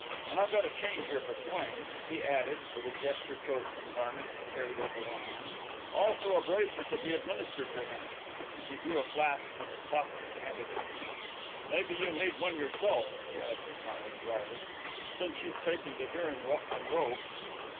And I've got a change here for Swain," he added, with a gesture toward some garments he carried over one arm; "also a bracer to be administered to him," and he drew a flask from his pocket and handed it to me. "Maybe you need one, yourself," he added, smiling drily, "since you've taken to hearing rustling robes."